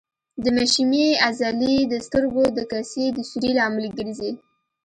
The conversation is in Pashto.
د مشیمیې عضلې د سترګو د کسي د سوري لامل ګرځي.